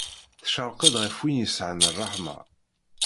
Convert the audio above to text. Tcerq-d ɣef win yesɛan ṛṛeḥma.